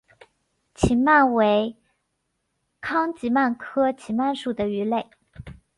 奇鳗为康吉鳗科奇鳗属的鱼类。